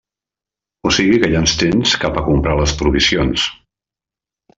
O sigui que ja ens tens cap a comprar les provisions.